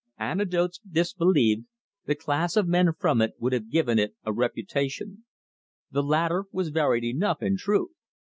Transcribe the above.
Anecdotes disbelieved, the class of men from it would have given it a reputation. The latter was varied enough, in truth.